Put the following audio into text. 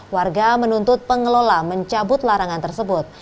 warga menuntut pengelola mencabut larangan tersebut